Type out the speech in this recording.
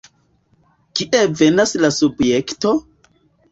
Kie venas la subjekto?